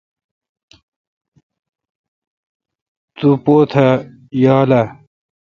تو پوتھ یال اؘ۔